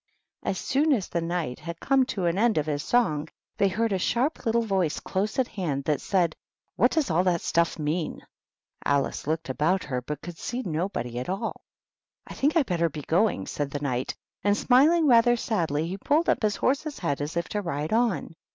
'' As soon as the Knight had come to the end of his song, they heard a sharp little voice close at hand that said, " What does all that stuff mean ?" Alice looked about her, but could see nobody at all. THE WHITE KNIGHT. 117 " I think I'd better be going," said the Knight. And smiling rather sadly, he pulled up his horse's head as if to ride on.